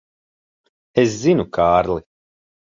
Es zinu, Kārli.